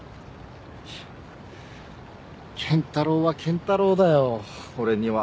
いや健太郎は健太郎だよ俺には。